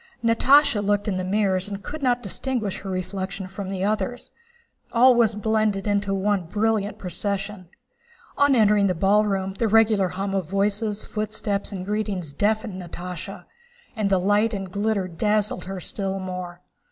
Natásha looked in the mirrors and could not distinguish her reflection from the others. All was blended into one brilliant procession. On entering the ballroom the regular hum of voices, footsteps, and greetings deafened Natásha, and the light and glitter dazzled her still more.